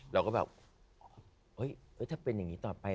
เราก็แบบเฮ้ยถ้าเป็นอย่างนี้ต่อไป